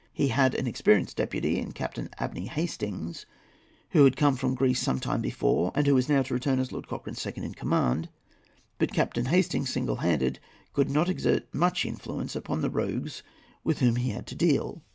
He had an experienced deputy in Captain Abney Hastings, who had come from Greece some time before, and who was now to return as Lord Cochrane's second in command; but Captain Hastings, single handed, could not exert much influence upon the rogues with whom he had to deal.